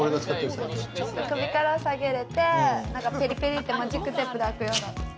首から下げれてペリペリってマジックテープで開くような。